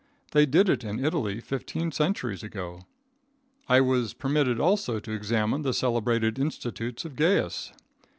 They did it in Italy fifteen centuries ago. I was permitted also to examine the celebrated institutes of Gaius.